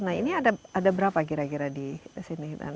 nah ini ada berapa kira kira di sini